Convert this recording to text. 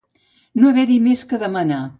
No haver-hi més que demanar.